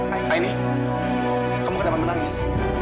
aini kamu kenapa menangis